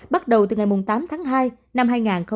bắt đầu từ ngày tám tháng hai năm hai nghìn hai mươi